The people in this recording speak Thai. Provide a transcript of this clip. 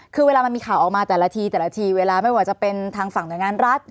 คือเวลามันมีข่าวออกมาแต่ละทีแต่ละทีเวลาไม่ว่าจะเป็นทางฝั่งหน่วยงานรัฐ